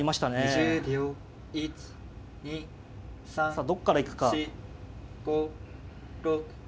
さあどっから行くか。